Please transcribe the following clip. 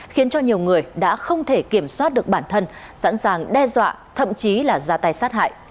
khiến cho nhiều người đã không thể kiểm soát được bản thân sẵn sàng đe dọa thậm chí là ra tay sát hại